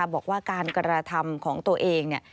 บอกว่าการกรรธรรมของตัวเอง